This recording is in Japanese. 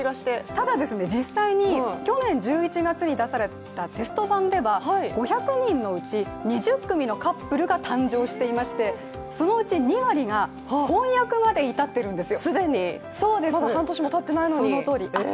ただ実際に去年１１月に出されたテスト版では５００人のうち２０組のカップルが誕生していましてそのうち２割が婚約まで至っているんですよ。